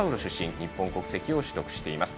日本国籍を取得しています。